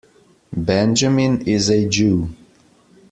Benjamin is a Jew.